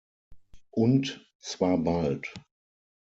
Und zwar bald.